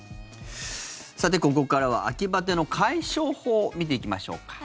さて、ここからは秋バテの解消法見ていきましょうか。